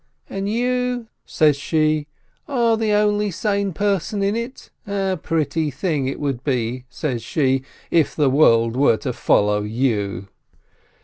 — "And you," says she, "are the only sane person in it ? A pretty thing it would be," says she, "if the world were to follow you